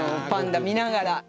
パンダ見ながら。